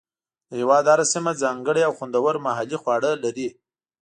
د هېواد هره سیمه ځانګړي او خوندور محلي خواړه لري.